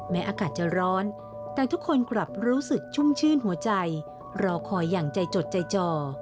อากาศจะร้อนแต่ทุกคนกลับรู้สึกชุ่มชื่นหัวใจรอคอยอย่างใจจดใจจ่อ